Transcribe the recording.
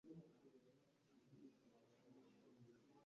kandi hari amenyo yibinyoma yibagiwe muri cofeepot